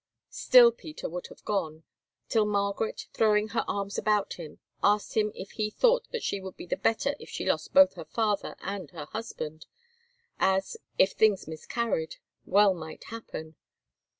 Still Peter would have gone, till Margaret, throwing her arms about him, asked him if he thought that she would be the better if she lost both her father and her husband, as, if things miscarried, well might happen.